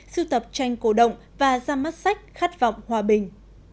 sưu tập tranh cổ động và ra mắt sách khát vọng hòa bình